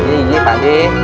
iya pak d